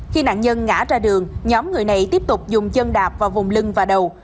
khi nạn nhân ngã ra đường nhóm người này tiếp tục dùng chân đạp vào vùng lưng và đầu